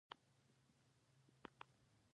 دا لګښت په کال کې له اتو لکو ډالرو اوړي.